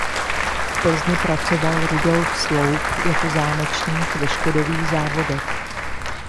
V Plzni pracoval Rudolf Sloup jako zámečník ve Škodových závodech.